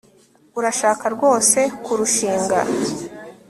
Urashaka rwose kurushinga